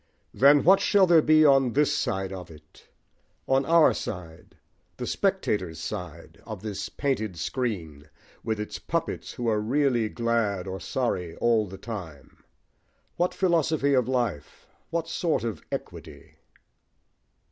Then what shall there be on this side of it on our side, the spectators' side, of this painted screen, with its puppets who are really glad or sorry all the time? what philosophy of life, what sort of equity?